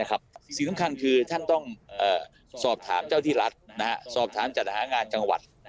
สิ่งสำคัญคือท่านต้องสอบถามเจ้าที่รัฐสอบถามจัดหางานจังหวัด